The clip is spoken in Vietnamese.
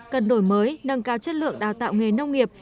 cần đổi mới nâng cao chất lượng đào tạo nghề nông nghiệp